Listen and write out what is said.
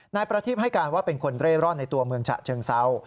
นายประทีบให้การว่าเป็นคนเร่ร่อนในตัวเมืองฉะเชิงเซา